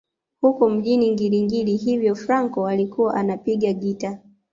Huko mjini Ngiri Ngiri hivyo Fraco alikuwa anapiga gitaa